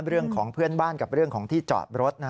เรื่องของเพื่อนบ้านกับเรื่องของที่จอดรถ